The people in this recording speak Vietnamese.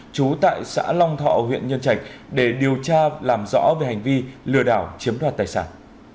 trú tại xã long thọ huyện nhân trạch để điều tra làm rõ về hành vi lừa đảo chiếm đoạt tài sản